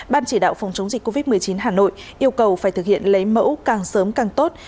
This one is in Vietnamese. ban chỉ đạo phòng chống dịch covid một mươi chín hà nội yêu cầu phải thực hiện lấy mẫu càng sớm càng tốt